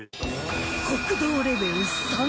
酷道レベル３